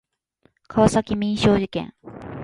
川崎民商事件